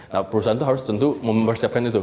nah perusahaan itu harus tentu mempersiapkan itu